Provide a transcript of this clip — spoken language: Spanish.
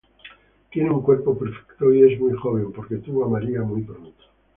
Tiene un cuerpo perfecto y es muy joven porque tuvo a Maria muy pronto.